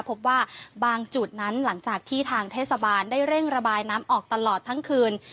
พบว่าบางจุดนั้นหลังจากที่ทางเทศบาลได้เร่งระบายน้ำออกตลอดทั้งคืน